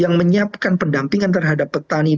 yang menyiapkan pendampingan terhadap petani